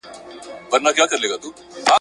یوه غټه زنګوله یې وه په غاړه ,